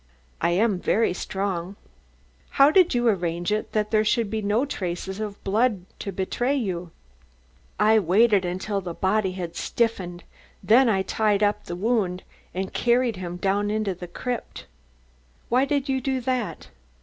"I am very strong." "How did you arrange it that there should be no traces of blood to betray you?" "I waited until the body had stiffened, then I tied up the wound and carried him down into the crypt." "Why did you do that?"